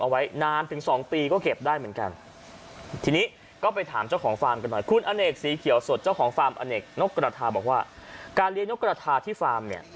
ตั้งแต่ตัวนกกรรทาแบบผันเนื้อพันไข่ก็มี